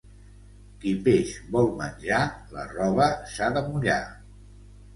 Qui peix vol menjar la roba s'ha de mullar.